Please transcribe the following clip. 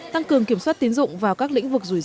tăng cường kiểm soát tiến dụng vào các lĩnh vực rủi ro